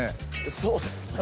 そうですね